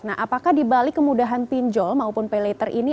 nah apakah di balik kemudahan pinjol maupun paylater ini